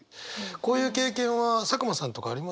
こういう経験は佐久間さんとかあります？